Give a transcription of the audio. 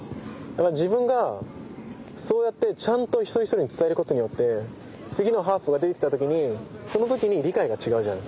自分がそうやってちゃんと一人一人に伝えることによって次のハーフが出てきた時にその時に理解が違うじゃん。